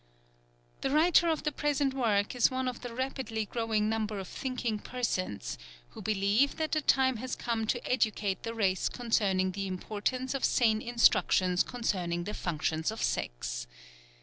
The writer of the present work is one of the rapidly growing number of thinking persons who believe that the time has come to educate the race concerning the importance of sane instruction concerning the functions of sex.